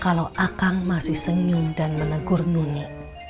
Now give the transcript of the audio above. kalau akang masih senyum dan menegur nuni